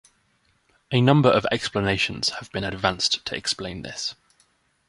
A number of explanations have been advanced to explain this.